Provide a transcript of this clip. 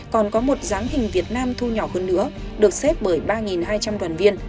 còn có một giám hình việt nam thu nhỏ hơn nữa được xếp bởi ba hai trăm linh đoàn viên